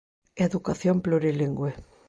Educación plurilingüe.